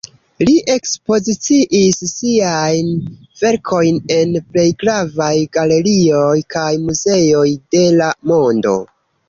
Li ekspoziciis siajn verkojn en plej gravaj galerioj kaj muzeoj de la mondo.